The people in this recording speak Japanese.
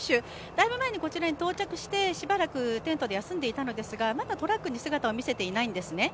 だいぶ前にこちらに到着してしばらくテントで休んでいたんですがまだトラックに姿を見せていないんですね。